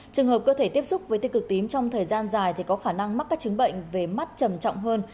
trường hợp cơ thể tiếp xúc với tiêu cực tím trong thời gian dài thì có khả năng mắc các chứng bệnh về mắt trầm trọng hơn